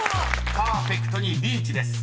［パーフェクトにリーチです。